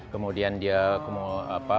kemudian dia apa para anggota